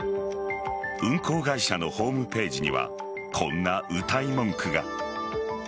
運航会社のホームページにはこんなうたい文句が。